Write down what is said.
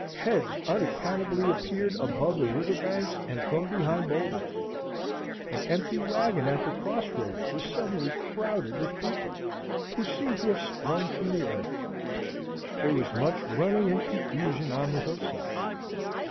Heads unaccountably appeared above the river banks and from behind bowlders. An empty wagon at the cross road was suddenly crowded with people, who seemed to have sprung from the earth. There was much running and confusion on the hillside.